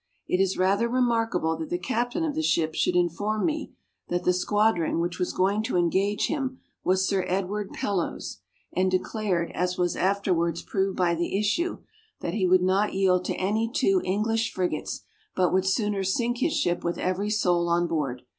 It is rather remarkable that the captain of the ship should inform me, that the squadron which was going to engage him was Sir Edward Pellow's, and declared, as was afterwards proved by the issue, "that he would not yield to any two English frigates, but would sooner sink his ship with every soul on board."